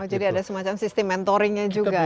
jadi ada semacam sistem mentoringnya juga ya